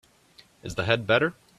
Is the head better?